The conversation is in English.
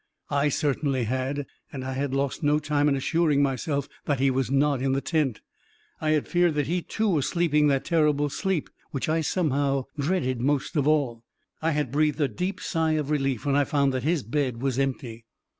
I certainly had; and I had lost no time in assur ing myself that he was not in the tent. I had feared that he, too, was sleeping that terrible sleep, which I somehow dreaded most of all. I had breathed a deep sigh of relief when I found that his bed was empty.